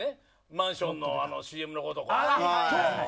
マンションのＣＭの子とか。